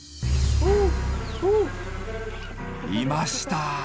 いました。